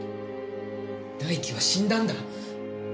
大樹は死んだんだ。